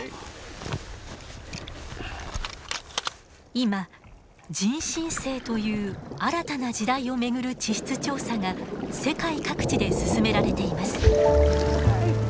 今人新世という新たな時代を巡る地質調査が世界各地で進められています。